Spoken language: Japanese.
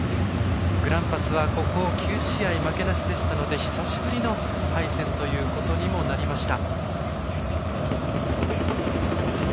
グランパスはここ９試合負けなしでしたので久しぶりの敗戦ということになりました。